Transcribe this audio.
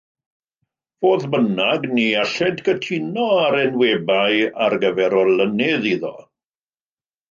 Fodd bynnag, ni allent gytuno ar enwebai ar gyfer olynydd iddo.